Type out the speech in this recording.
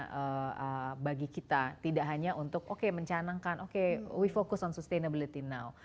yang bagi kita tidak hanya untuk oke mencanangkan oke we fokus on sustainability now